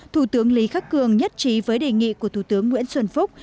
thủ tướng lý khắc cường nhất trí với đề nghị của thủ tướng nguyễn xuân phúc